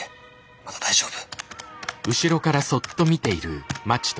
まだ大丈夫。